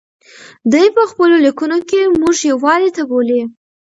دی په خپلو لیکنو کې موږ یووالي ته بولي.